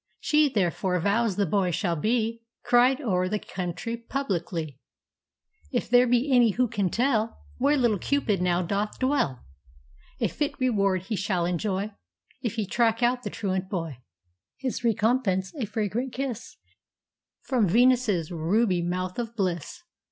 She therefore vows the boy shall beCried o'er the country publicly:"If there be any who can tellWhere little Cupid now doth dwell,A fit reward he shall enjoyIf he track out the truant boy; His recompense a fragrant kissFrom Venus's ruby mouth of bliss.